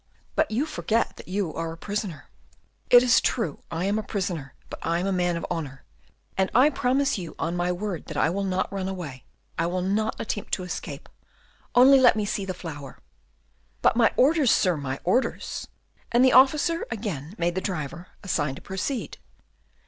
"But you forget that you are a prisoner." "It is true I am a prisoner, but I am a man of honour, and I promise you on my word that I will not run away, I will not attempt to escape, only let me see the flower." "But my orders, Sir, my orders." And the officer again made the driver a sign to proceed.